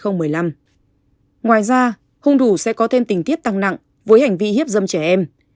ngoài ra hung thủ sẽ có thêm tình tiết tăng nặng với hành vi hiếp dâm trẻ em